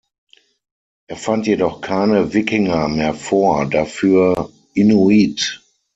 Er fand jedoch keine Wikinger mehr vor, dafür Inuit.